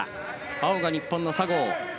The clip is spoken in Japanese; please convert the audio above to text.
青が日本の佐合。